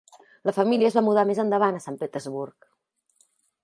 La família es va mudar més endavant a Sant Petersburg.